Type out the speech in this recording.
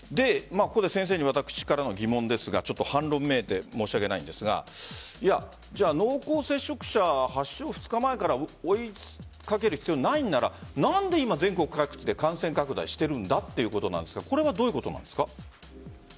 先生に私からの疑問ですが反論めいて申し訳ないんですが濃厚接触者を発症２日前から追いかける必要がないなら何で今、全国各地で感染拡大しているんだということですがこれはどういうことなんですか？